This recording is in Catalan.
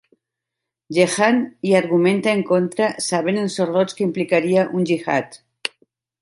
Jehanne hi argumenta en contra sabent els horrors que implicaria un gihad.